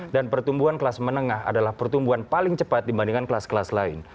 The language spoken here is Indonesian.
dan pertumbuhan kelas menengah adalah pertumbuhan paling cepat dibandingkan kelas kelas lain